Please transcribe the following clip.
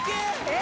え！